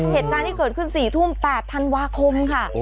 เหตุการณ์ที่เกิดขึ้น๔ทุ่ม๘ธันวาคมค่ะ